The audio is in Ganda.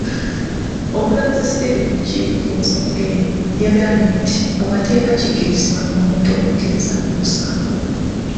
Omulamuzi Stephen Mukiibi ku nsonga eno, yagambye nti mu mateeka kikkirizibwa omuntu okukkiriza omusango.